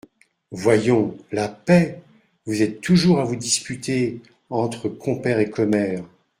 Voyons ! la paix ! vous êtes toujours à vous disputer… entre compère et commère…